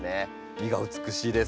実が美しいです。